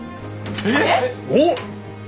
えっ！？おっ！